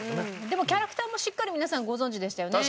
でもキャラクターもしっかり皆さんご存じでしたよね。